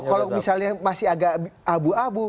kalau misalnya masih agak abu abu